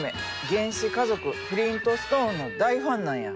「原始家族フリントストーン」の大ファンなんや。